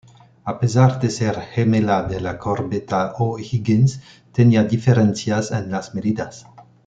A pesar de ser gemela de la corbeta O'Higgins, tenía diferencias en las medidas.